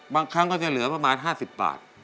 บางครั้งก็จะเหลือประมาณ๕๐บาท